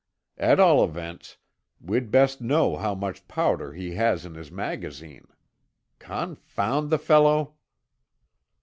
At all events, we'd best know how much powder he has in his magazine. Confound the fellow!"